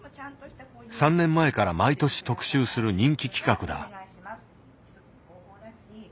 ３年前から毎年特集する人気企画だ。